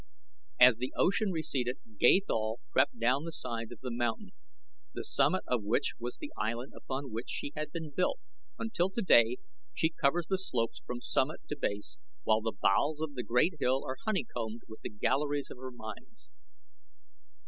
As the ocean receded Gathol crept down the sides of the mountain, the summit of which was the island upon which she had been built, until today she covers the slopes from summit to base, while the bowels of the great hill are honeycombed with the galleries of her mines.